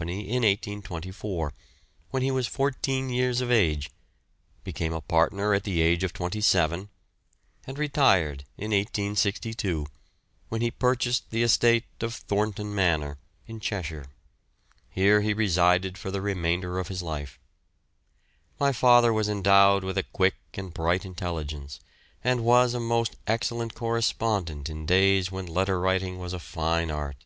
in 1824, when he was 14 years of age, became a partner at the age of 27, and retired in 1862, when he purchased the estate of Thornton Manor, in Cheshire; here he resided for the remainder of his life. My father was endowed with a quick and bright intelligence, and was a most excellent correspondent in days when letter writing was a fine art.